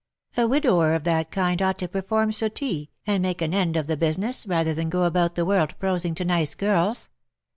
" A widower of tbat kind ougbt to perform suttee, and make an end of tbe business,, ratber tban go about tbe world prosing to nice girls.